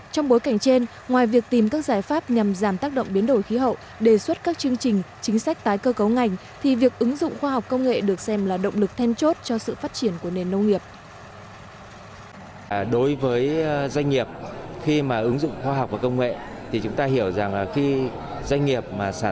trong bối cảnh trên ngoài việc tìm các giải pháp nhằm giảm tác động biến đổi khí hậu đề xuất các chương trình chính sách tái cơ cấu ngành thì việc ứng dụng khoa học công nghệ được xem là động lực then chốt cho sự phát triển của nền nông nghiệp